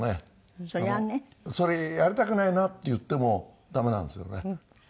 それやりたくないなって言ってもダメなんですよね。